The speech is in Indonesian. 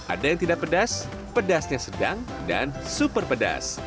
ada yang tidak pedas pedasnya sedang dan super pedas